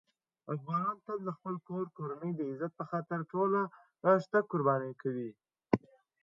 افغانان تل د خپل کور کورنۍ د عزت په خاطر ټول شته قرباني کوي.